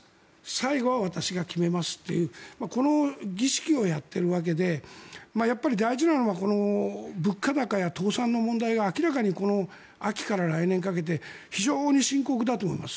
最後は私が決めますというこの儀式をやっているわけでやっぱり大事なのは物価高や倒産の問題が明らかにこの秋から来年にかけて非常に深刻だと思います。